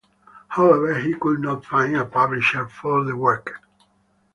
However he could not find a publisher for the work.